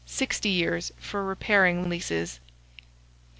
60 years for repairing leases.